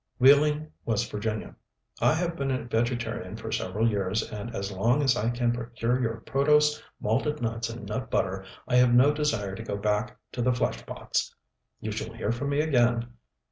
Wheeling, W. Va. I have been a vegetarian for several years, and as long as I can procure your Protose, Malted Nuts and Nut Butter, I have no desire to go back to the flesh pots. You shall hear from me again.